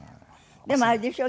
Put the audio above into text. でもあれでしょ？